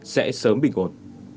sẽ sớm bình cột